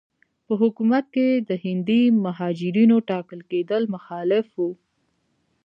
په حکومت کې د هندي مهاجرینو ټاکل کېدل مخالف وو.